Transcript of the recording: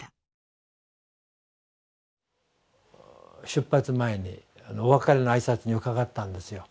出発前にお別れの挨拶に伺ったんですよ。